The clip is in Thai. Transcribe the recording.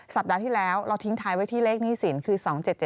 สัปดาห์ที่แล้วเราทิ้งท้ายไว้ที่เลขหนี้สินคือ๒๗๗